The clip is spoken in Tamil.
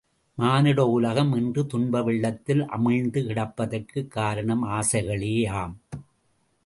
மானுட உலகம் இன்று துன்ப வெள்ளத்தில் அமிழ்ந்து கிடப்பதற்குக் காரணம் ஆசைகளே யாம்.